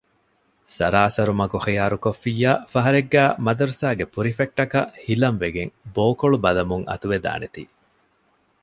ސަރާސަރު މަގު ޚިޔާރުކޮށްފިއްޔާ ފަހަރެއްގައި މަދުރަސާގެ ޕުރިފެކްޓަކަށް ހިލަން ވެގެން ބޯކޮޅު ބަލަމުން އަތުވެދާނެ ތީ